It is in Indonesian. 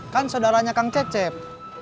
kan saudaranya kang cecep